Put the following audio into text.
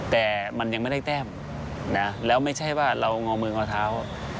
แต่มันยังไม่ได้แต้มนะแล้วไม่ใช่ว่าเรางอมืองอเท้า